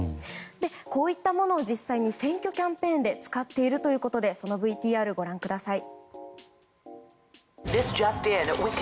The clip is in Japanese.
こうしたものを実際に選挙キャンペーンで使っているということでそのＶＴＲをご覧ください。